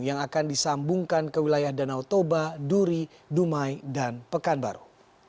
yang akan disambungkan ke wilayah danau toba duri dumai dan pekanbaru